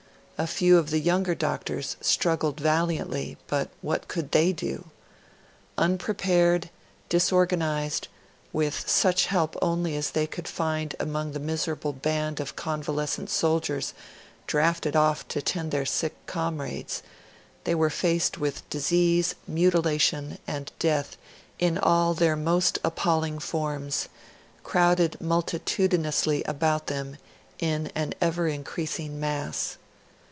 A few of the younger doctors struggled valiantly, but what could they do? Unprepared, disorganised, with such help only as they could find among the miserable band of convalescent soldiers drafted off to tend their sick comrades, they were faced with disease, mutilation, and death in all their most appalling forms, crowded multitudinously about them in an ever increasing mass.